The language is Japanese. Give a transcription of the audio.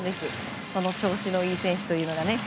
その調子のいい選手というのがね。